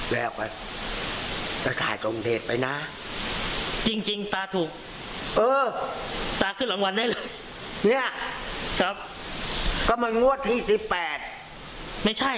ฮ้ะสองพุทธภาระวู๋อย่างงี้ไงอย่าก้อหกกันนะไม่ไม่